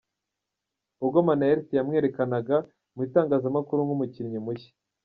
Ubwo Minaert yamwerekanaga mu itangazamakuru nk'umukinnyi mushya.